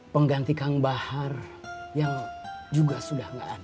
pengganti kang bahar yang juga sudah tidak ada